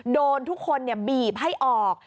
โดนทุกคนบีบให้ออก